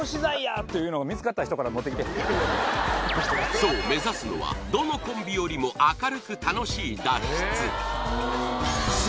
そう目指すのはどのコンビよりも明るく楽しい脱出